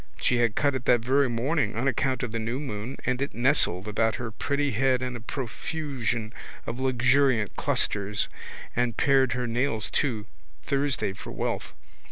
She had cut it that very morning on account of the new moon and it nestled about her pretty head in a profusion of luxuriant clusters and pared her nails too, Thursday for wealth.